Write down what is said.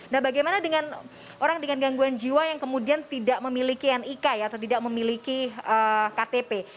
nah bagaimana dengan orang dengan gangguan jiwa yang kemudian tidak memiliki nik atau tidak memiliki ktp